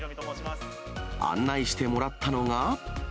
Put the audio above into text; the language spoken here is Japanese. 案内してもらったのが。